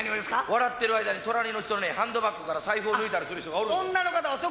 笑ってる間に隣の人のハンドバッグから財布を抜いたりする人がおるんです。